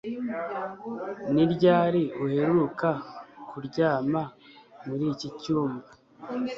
Ni ryari uheruka kuryama muri iki cyumba